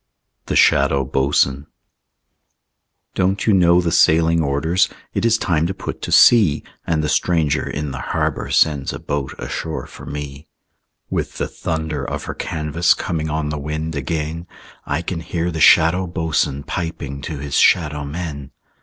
THE SHADOW BOATSWAIN Don't you know the sailing orders? It is time to put to sea, And the stranger in the harbor Sends a boat ashore for me. With the thunder of her canvas Coming on the wind again, I can hear the Shadow Boatswain Piping to his shadow men.